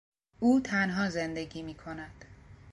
او تنها زندگی میکند.